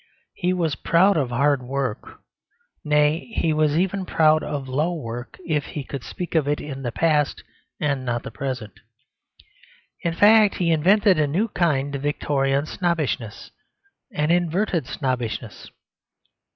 He was proud of hard work; nay, he was even proud of low work if he could speak of it in the past and not the present. In fact, he invented a new kind of Victorian snobbishness, an inverted snobbishness.